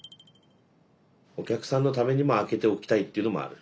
お客さんのためにも開けておきたいっていうのもある？